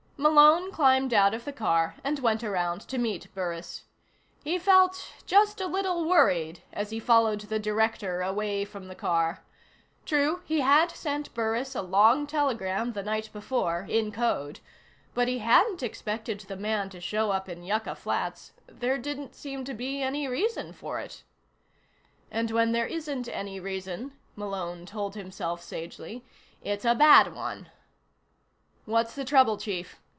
Malone climbed out of the car and went around to meet Burris. He felt just a little worried as he followed the Director away from the car. True, he had sent Burris a long telegram the night before, in code. But he hadn't expected the man to show up in Yucca Flats. There didn't seem to be any reason for it. And when there isn't any reason, Malone told himself sagely, it's a bad one. "What's the trouble, Chief?"